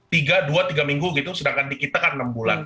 tiga dua tiga minggu gitu sedangkan di kita kan enam bulan